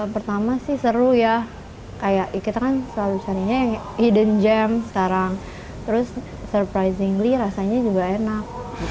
pertama sih seru ya kayak kita kan selalu carinya yang hidden gem sekarang terus surprizingly rasanya juga enak